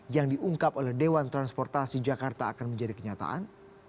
yang diungkap oleh dewan transportasi jakarta akan menjadi kenyataan